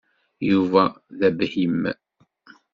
Yuba d abhim.